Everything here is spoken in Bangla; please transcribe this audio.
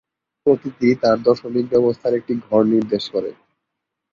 প্রতিটি তার দশমিক ব্যবস্থার একটি ঘর নির্দেশ করে।